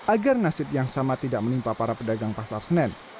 agar nasib yang sama tidak menimpa para pedagang pasar senen